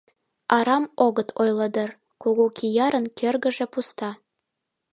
Арам огыт ойло дыр: кугу киярын кӧргыжӧ пуста.